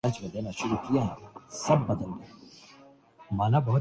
Stage one cancer کی تشخیص ہوئی ہے۔